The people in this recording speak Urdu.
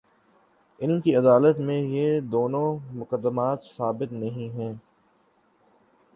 علم کی عدالت میں، یہ دونوں مقدمات ثابت نہیں ہیں۔